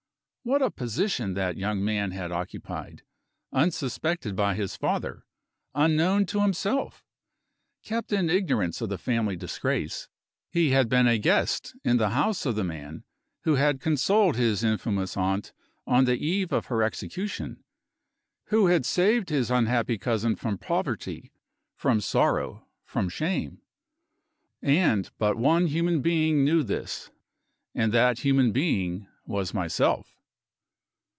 What a position that young man had occupied, unsuspected by his father, unknown to himself! kept in ignorance of the family disgrace, he had been a guest in the house of the man who had consoled his infamous aunt on the eve of her execution who had saved his unhappy cousin from poverty, from sorrow, from shame. And but one human being knew this. And that human being was myself!